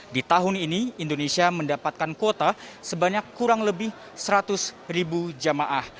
di tahun ini indonesia mendapatkan kuota sebanyak kurang lebih seratus ribu jamaah